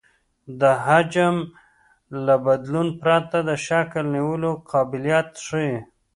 د حجم له بدلون پرته د شکل نیولو قابلیت ښیي